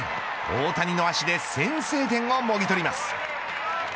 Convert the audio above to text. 大谷の足で先制点をもぎ取ります。